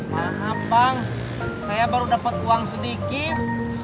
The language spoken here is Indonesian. maaf pang saya baru dapet uang sedikit